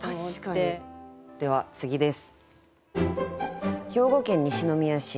では次です。